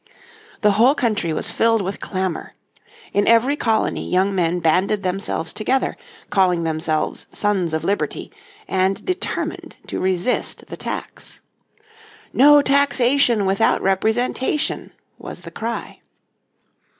The whole country was filled with clamour. In every colony young men banded themselves together, calling themselves Sons of Liberty, and determined to resist the tax. "No taxation without representation" was the cry.